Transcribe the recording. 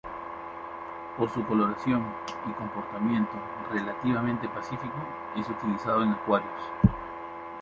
Por su coloración y comportamiento relativamente pacífico es utilizado en acuarios.